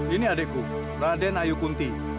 ini adikku raden ayu kunti